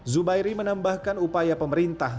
zubairi menambahkan upaya pemerintah